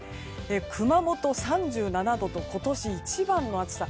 熊本、３７度と今年一番の暑さ。